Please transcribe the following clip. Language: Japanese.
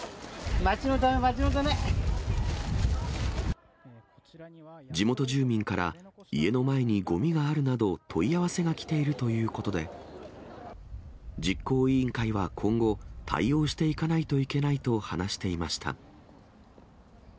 街のため、地元住民から、家の前にごみがあるなど、問い合わせが来ているということで、実行委員会は今後、対応していかないといけないと話していました。